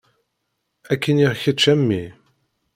Ad k-iniɣ kečč a mmi.